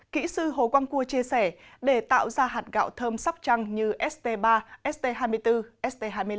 kỹ sư hồ quang cua chia sẻ để tạo ra hạt gạo thơm sóc trăng như st ba st hai mươi bốn st hai mươi năm